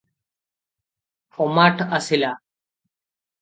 ଅମାଠ ଆସିଲା?